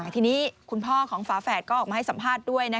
ทีนี้คุณพ่อของฝาแฝดก็ออกมาให้สัมภาษณ์ด้วย